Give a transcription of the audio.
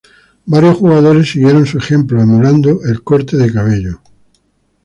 Varios jugadores siguieron su ejemplo emulando el corte de cabello.